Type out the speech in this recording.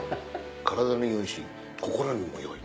体に良いし心にも良い。